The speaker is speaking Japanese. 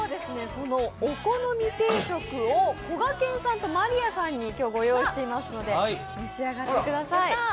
お好み定食をこがけんさんと真莉愛さんにご用意していますので召し上がってください。